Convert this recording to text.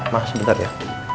ma sebentar ya